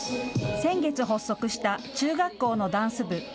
先月発足した中学校のダンス部。